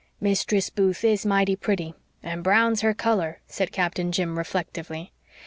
"Mistress Booth IS mighty pretty, and brown's her color," said Captain Jim reflectively.